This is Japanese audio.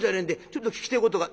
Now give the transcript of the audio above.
ちょっと聞きてぇことが」。